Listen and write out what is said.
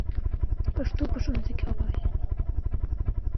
پښتو په ښوونځي کې وکاروئ.